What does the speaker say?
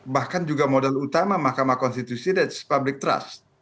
bahkan juga modal utama mahkamah konstitusi itu public trust